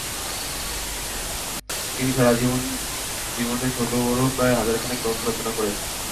তিনি সারা জীবনে ছোট-বড় প্রায় হাজার খানেক গ্রন্থ রচনা করেছেন।